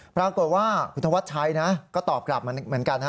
บอกว่าคุณธวัดชัยก็ตอบกลับเหมือนกัน